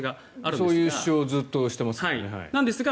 そういう主張をずっとしてますよね。